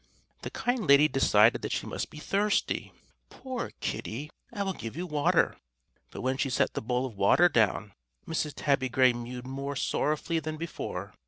The kind lady decided that she must be thirsty: "Poor Kitty, I will give you water"; but when she set the bowl of water down Mrs. Tabby Gray mewed more sorrowfully than before.